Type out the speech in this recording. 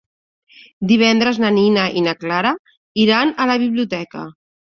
Divendres na Nina i na Clara iran a la biblioteca.